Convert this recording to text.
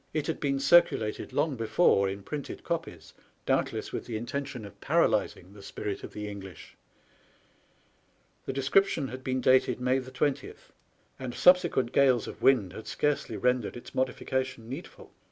It had been circu lated long before in printed copies, doubtless with the intention of paralyzing the spirit of the English. The SPANISH ARMADA. 295 description had been dated May 20, and subsequent gales of wind had scarcely rendered its modification needful.